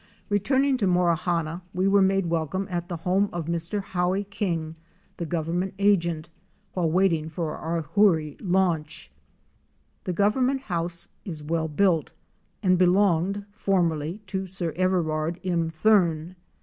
Returning to Morawhanna we were made welcome at the home of Mr. Howie King the Government Agent, while waiting for our Hoorie launch. The government house is well built and belonged formerly to Sir Everard im Thurn.